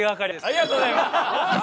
ありがとうございます！